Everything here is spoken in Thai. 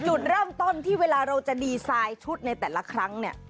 จุดเริ่มต้นที่เวลาเราจะดีไซน์ชุดในแต่ละครั้งเนี่ย